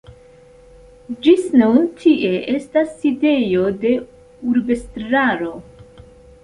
Ĝis nun tie estas sidejo de urbestraro.